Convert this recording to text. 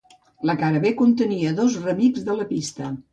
La cara b, contenia dos remix de la pista.